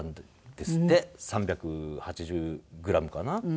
３８０グラムかな？